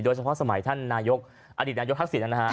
โดยเฉพาะสมัยอดีตนายกทักษิต